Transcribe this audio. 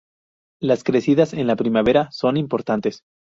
Las crecidas en la primavera son importantes.